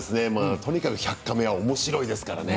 とにかく「１００カメ」はおもしろいです。